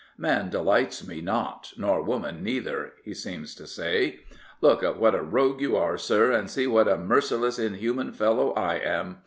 " Man delights me not, nor woman neither," he seems to say. " Look what a rogue you are, sir, and see what a merciless, inhuman fellow I am.